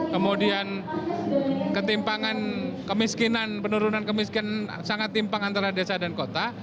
kemudian ketimpangan kemiskinan penurunan kemiskinan sangat timpang antara desa dan kota